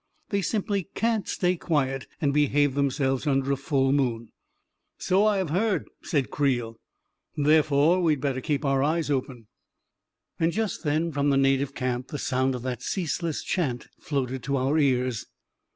They simply catit stay quiet and behave themselves under a full moon !"" So I have heard," said Creel. " Therefore we'd better keep our eyes open !" 3SO A KING IN BABYLON . 35 x And just then, from the native camp, the sound of that ceaseless chant floated to our ears.